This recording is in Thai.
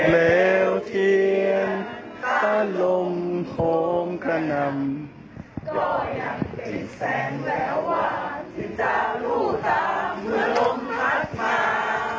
เหลวเทียนถ้าลมโพงขนำก็ยังเป็นแสงแล้วว่าที่จะรู้ตามเมื่อลมพัดมา